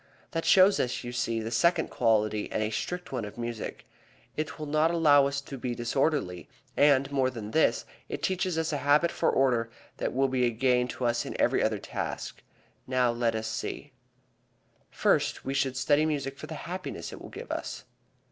That shows us, you see, the second quality and a strict one of music. It will not allow us to be disorderly, and more than this, it teaches us a habit for order that will be a gain to us in every other task. Now let us see: First, we should study music for the happiness it will give us.